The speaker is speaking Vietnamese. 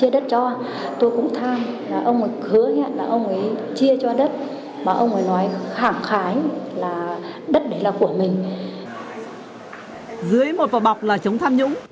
dưới một vò bọc là chống tham nhũng